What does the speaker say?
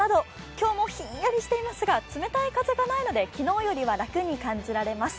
今日もひんやりしていますが冷たい風がないので昨日よりは楽に感じられます。